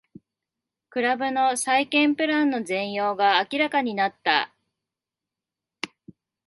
クラブの再建プランの全容が明らかになった